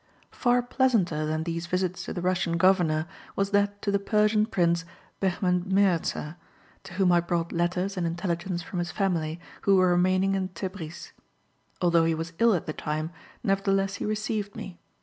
Far pleasanter than these visits to the Russian governor was that to the Persian Prince Behmen Mirza, to whom I brought letters and intelligence from his family, who were remaining in Tebris. Although he was ill at the time, nevertheless he received me.